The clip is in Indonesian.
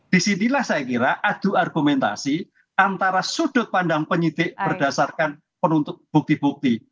disinilah saya kira adu argumentasi antara sudut pandang penyidik berdasarkan penuntut bukti bukti